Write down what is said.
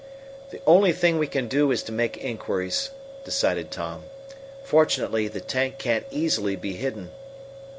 "The only thing we can do is to make inquiries," decided Tom. "Fortunately, the tank can't easily be hidden."